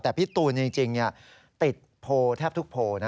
แต่พี่ตูนจริงติดโพลแทบทุกโพลนะ